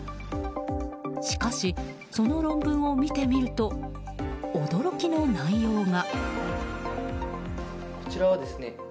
しかし、その論文を見てみると驚きの内容が。